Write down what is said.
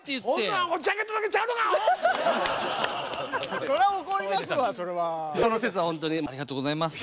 ありがとうございます。